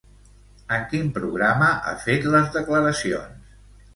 En quin programa ha fet les declaracions?